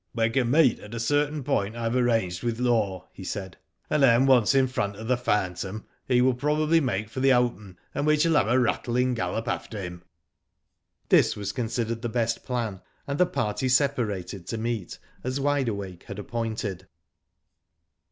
''We can meet at a certain point I have arranged with Law," he said, '' and then once in front of the phantom, he will probably make for the open and we shall have a rattling gallop after him. Digitized byGoogk I04 WHO DID ITf This was considered the best plan, and the party separated to .meet as Wide Awake had appointed.